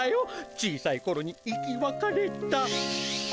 小さいころに生きわかれた。